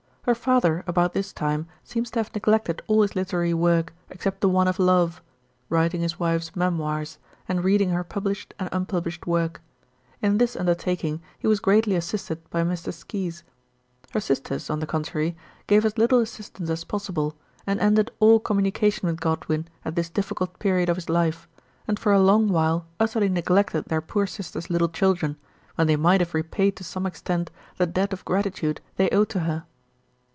Her father about this time seems to have neglected all his literary work except the one of love ^writing his wife's " Memoirs/' and reading her published and unpublished work. In this under taking he was greatly assisted by Mr. Skeys. Her sisters, on the contrary, gave as little assistance as possible, and ended all communication with Godwin at this difficult period of his life, and for a long while utterly neglected their poor sister's little children, when they might have repaid to some extent the debt of gratitude they owed to her.